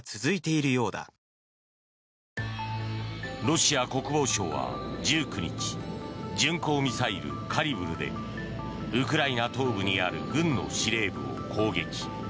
ロシア国防省は１９日巡航ミサイル、カリブルでウクライナ東部にある軍の司令部を攻撃。